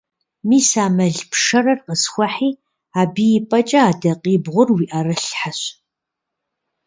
Мис а мэл пшэрыр къысхуэхьи, абы и пӀэкӀэ адакъибгъур уи Ӏэрылъхьэщ.